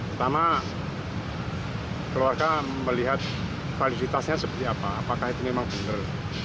pertama keluarga melihat validitasnya seperti apa apakah itu memang benar